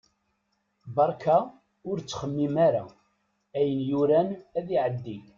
Berka ur ttxemmim ara, ayen yuran ad iɛeddi.